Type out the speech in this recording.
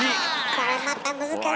これまた難しそう。